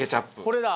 これだ！